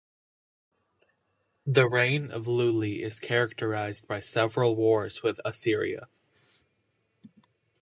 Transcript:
The reign of Luli is characterized by several wars with Assyria.